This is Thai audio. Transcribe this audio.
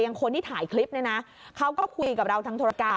คนที่ถ่ายคลิปเนี่ยนะเขาก็คุยกับเราทางโทรการ